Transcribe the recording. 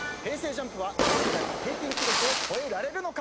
ＪＵＭＰは同世代の平均記録を超えられるのか？